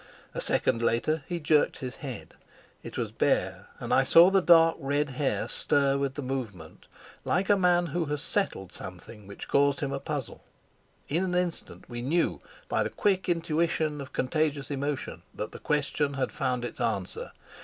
A second later he jerked his head it was bare, and I saw the dark red hair stir with the movement like a man who has settled something which caused him a puzzle. In an instant we knew, by the quick intuition of contagious emotion, that the question had found its answer.